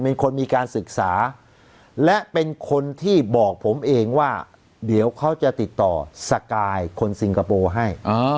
เป็นคนมีการศึกษาและเป็นคนที่บอกผมเองว่าเดี๋ยวเขาจะติดต่อสกายคนซิงคโปร์ให้